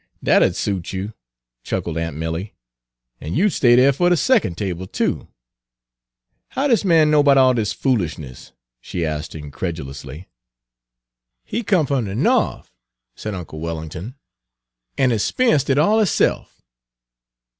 "Dat 'u'd suit you," chuckled aunt Milly, "an' you 'd stay dere fer de secon' table, too. How dis man know 'bout all dis yer foolis'ness?" she asked incredulously. Page 211 "He come f'm de Norf," said uncle Wellington, "an' he 'speunced it all hisse'f."